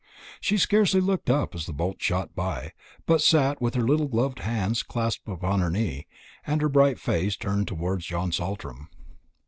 She scarcely looked up as the boats shot by, but sat with her little gloved hands clasped upon her knee, and her bright face turned towards John Saltram.